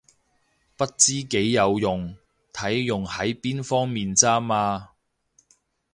不知幾有用，睇用喺邊方面咋嘛